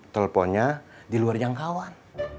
teleponnya di luar jangkauan